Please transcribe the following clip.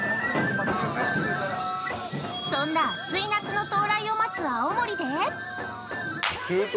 そんな熱い夏の到来を待つ青森で◆